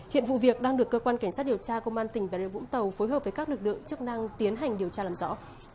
hiện vụ việc đang được cơ quan cảnh sát điều tra công an tỉnh bà rịa vũng tàu phối hợp với các lực lượng chức năng tiến hành điều tra làm rõ